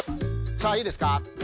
さあいいですか。